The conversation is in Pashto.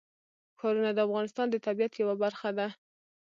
ښارونه د افغانستان د طبیعت یوه برخه ده.